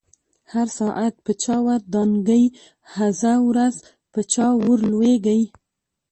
هر ساعت په چاور دانګی، هزه ورځ په چا ور لويږی